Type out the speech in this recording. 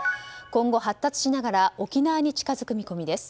今後、発達しながら沖縄に近づく見込みです。